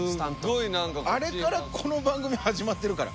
あれからこの番組始まってるから。